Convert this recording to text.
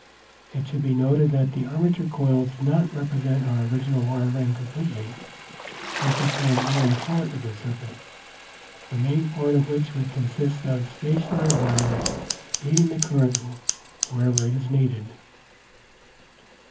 It should be noted that the armature coils do not represent our original wire ring completely, as they form only part of the circuit, the main part of which would consist of stationary wires leading the current wherever it is needed.